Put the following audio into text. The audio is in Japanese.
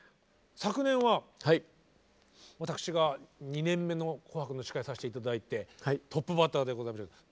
昨年は私が２年目の「紅白」の司会をさせて頂いてトップバッターでございましたけど。